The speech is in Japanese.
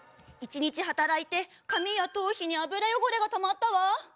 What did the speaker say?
一日働いて髪や頭皮に油汚れがたまったわ。